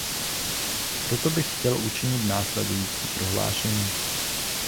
Proto bych chtěl učinit následující prohlášení.